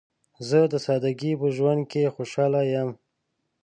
زه د سادګۍ په ژوند کې خوشحاله یم.